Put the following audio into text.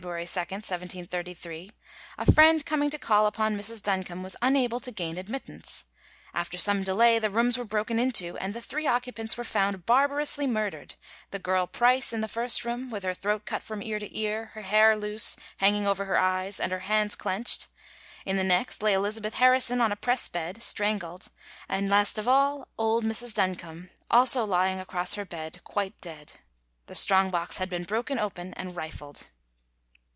2, 1733) a friend coming to call upon Mrs. Duncombe was unable to gain admittance. After some delay the rooms were broken into, and their three occupants were found barbarously murdered, the girl Price in the first room, with her throat cut from ear to ear, her hair loose, hanging over her eyes, and her hands clenched; in the next lay Elizabeth Harrison on a press bed, strangled; and last of all, old Mrs. Duncombe, also lying across her bed, quite dead. The strong box had been broken open and rifled.